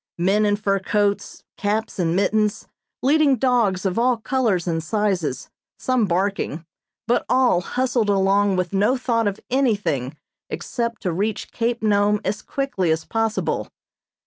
Men in fur coats, caps and mittens, leading dogs of all colors and sizes, some barking, but all hustled along with no thought of anything except to reach Cape Nome as quickly as possible.